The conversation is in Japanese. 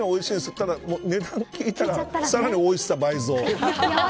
ただ、値段を聞いたらさらにおいしさ倍増。